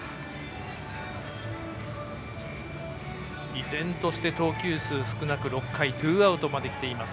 依然として投球数少なく６回、ツーアウトまできています